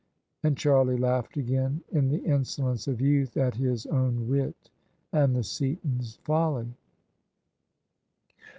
And Charlie laughed again, in the insolence of youth, at his own wit and the Seatons* folly.